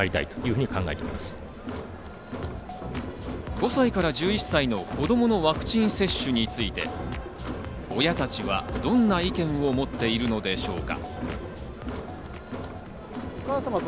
５歳から１１歳の子供のワクチン接種について親たちはどんな意見を持っているのでしょうか。